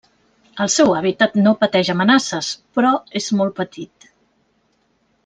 El seu hàbitat no pateix amenaces, però és molt petit.